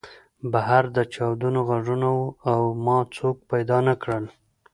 بهر د چاودنو غږونه وو او ما څوک پیدا نه کړل